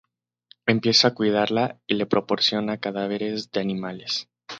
Empieza a cuidarla y le proporciona cadáveres de animales.